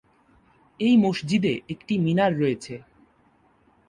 এই মসজিদে একটি মিনার রয়েছে।